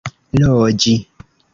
loĝi